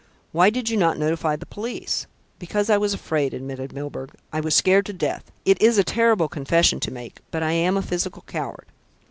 "Why did you not notify the police?" "Because I was afraid," admitted Mr. Milburgh. "I was scared to death. It is a terrible confession to make, but I am a physical coward."